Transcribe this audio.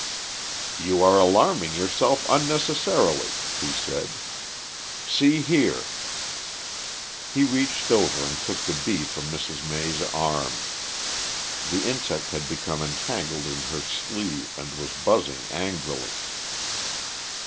"You are alarming yourself unnecessarily," he said. "See here." He reached over and took the bee from Mrs. May's arm. The insect had become entangled in her sleeve and was buzzing angrily.